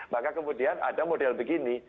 maka kemudian ada model begini